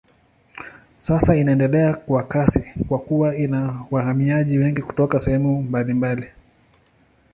Sasa inaendelea kwa kasi kwa kuwa ina wahamiaji wengi kutoka sehemu mbalimbali.